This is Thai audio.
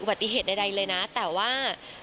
อุบัติเหตุใดเลยนะแต่ว่า